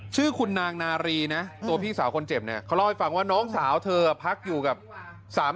ชื่อคุณนางนารีตัวพี่สาวคนเจ็บคำถามว่าน้องสาวเธอพักอยู่กับสามี